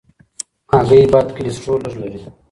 هګۍ بد کلسترول لږ لري.